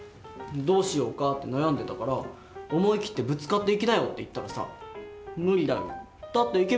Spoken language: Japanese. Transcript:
どうしようかって悩んでたから「思い切ってぶつかっていきなよ」って言ったらさ「無理だよだってイケメンなんだもん」って。